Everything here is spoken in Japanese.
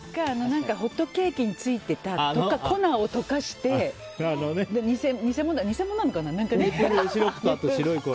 ホットケーキについてた粉を溶かして偽物なのかな？